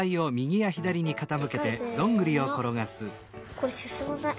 これすすまない。